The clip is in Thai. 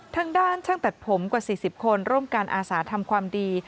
ทางด้านช่างตัดผมกว่า๔๐คนร่วมการอาสาทำความดี